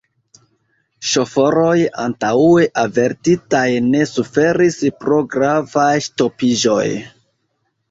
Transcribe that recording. Ŝoforoj, antaŭe avertitaj, ne suferis pro gravaj ŝtopiĝoj.